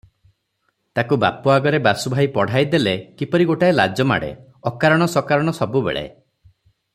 ତାକୁ ବାପ ଆଗରେ ବାସୁଭାଇ ପଢ଼ାଇଦେଲେ କିପରି ଗୋଟାଏ ଲାଜ ମାଡ଼େ; ଅକାରଣ ସକାରଣ ସବୁବେଳେ